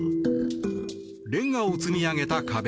レンガを積み上げた壁。